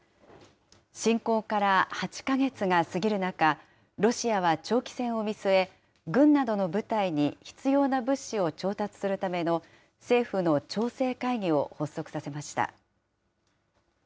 侵攻から８か月が過ぎる中、ロシアは長期戦を見据え、軍などの部隊に必要な物資を調達するための政府の調整会議を発足させました。